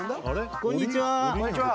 こんにちは！